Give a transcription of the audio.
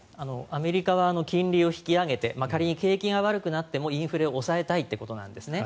アメリカは金利を引き上げて仮に景気が悪くなってもインフレを抑えたいってことなんですね。